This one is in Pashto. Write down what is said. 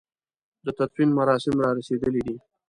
د تدفين مراسم را رسېدلي دي.